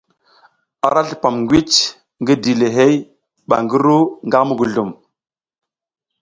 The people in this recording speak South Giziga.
Ara slupam ngwici ngi dilihey ba ngi ru nga muguzlum.